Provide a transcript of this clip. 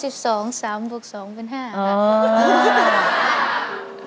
๓๒๓บวก๒เป็น๕